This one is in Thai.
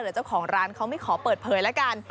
แต่เจ้าของร้านเขาไม่ขอเปิดเผยละกัน